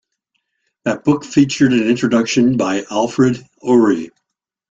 That book featured an introduction by Alfred Uhry.